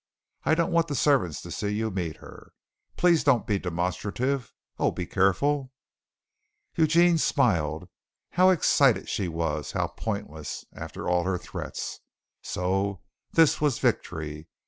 I don't want the servants to see you meet her. Please don't be demonstrative. Oh, be careful!" Eugene smiled. How excited she was! How pointless, after all her threats! So this was victory.